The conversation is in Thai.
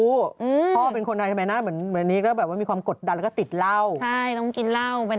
พ่อเป็นคนอะไรทำไมนะ